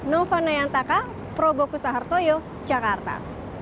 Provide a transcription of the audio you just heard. nova nayantaka proboku sahartoyo jakarta